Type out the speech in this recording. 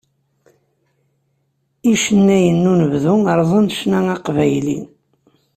Icennayen n unebdu rẓan ccna aqbayli.